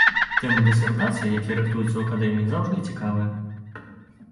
Тэмы дысертацый, якія рыхтуюцца ў акадэміі, заўжды цікавыя.